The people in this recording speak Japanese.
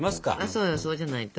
そうよそうじゃないと。